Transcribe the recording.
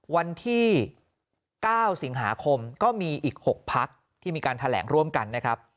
วันที่๙สิงหาคมก็มีอีก๖พักที่มีการแถลงร่วมกันนะครับ